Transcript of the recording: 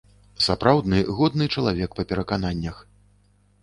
Сапраўдны годны чалавек па перакананнях.